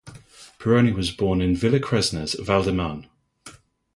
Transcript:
Pironi was born in Villecresnes, Val-de-Marne.